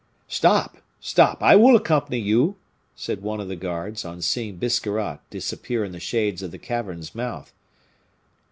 "Stop! stop! I will accompany you," said one of the guards, on seeing Biscarrat disappear in the shades of the cavern's mouth.